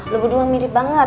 lo berdua mirip banget